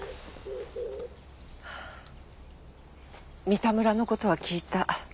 三田村の事は聞いた。